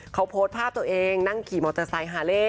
เขาโพสต์ภาพตัวเองนั่งขี่มอเตอร์ไซค์ฮาเล่